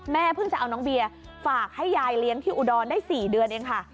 เพิ่งจะเอาน้องเบียร์ฝากให้ยายเลี้ยงที่อุดรได้๔เดือนเองค่ะ